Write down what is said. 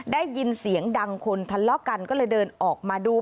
ได้ยินเสียงดังคนทะเลาะกันก็เลยเดินออกมาดู